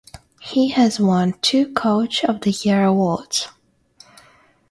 He has won two Coach of the Year awards.